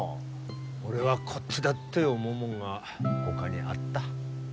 俺はこっちだって思うもんがほかにあった。